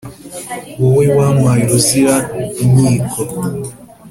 Wowe wampaye uruzira inkiko !